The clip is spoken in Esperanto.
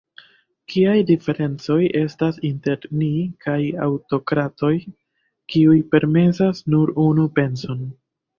Kiaj diferencoj estas inter ni kaj aŭtokratoj, kiuj permesas nur unu penson?